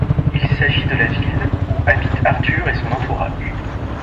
Il s'agit de la ville où habitent Arthur et son entourage.